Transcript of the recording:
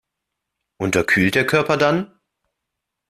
Unterkühlt der Körper dann?